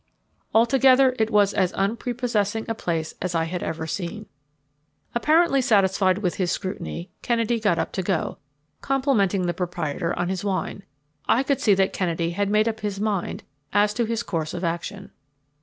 Altogether it was as unprepossessing a place as I had ever seen. Apparently satisfied with his scrutiny, Kennedy got up to go, complimenting the proprietor on his wine. I could see that Kennedy had made up his mind as to his course of action.